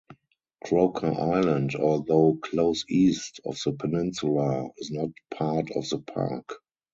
Croker Island, although close east of the peninsula, is not part of the park.